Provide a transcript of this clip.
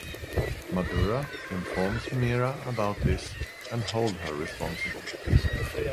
Madhura informs Meera about this and hold her responsible.